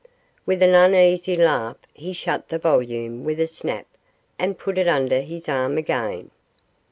With an uneasy laugh he shut the volume with a snap, and put it under his arm again.